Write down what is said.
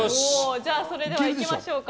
それではいきましょうか。